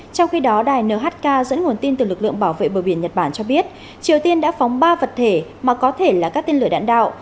trong khi đó đài nhk dẫn nguồn tin từ lực lượng bảo vệ bờ biển nhật bản cho biết triều tiên đã phóng ba vật thể mà có thể là các tên lửa đạn đạo